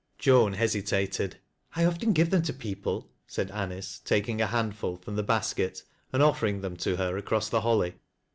" Joan hesitated. " I often give them to people/' said Anice, taking q handful from the basket and offering them to her across the holly.